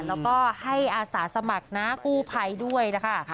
แล้วก็ให้อาสาสมัครนะกู้ภัยด้วยนะคะ